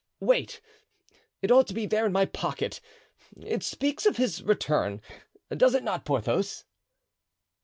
"Wait, it ought to be there in my pocket; it speaks of his return, does it not, Porthos?"